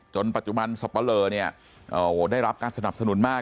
จนปัจจุบันสปะเลอเนี่ยได้รับการสนับสนุนมาก